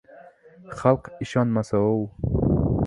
— Xalq ishonmas-ov.